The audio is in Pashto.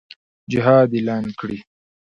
جهاد اعلان کړي.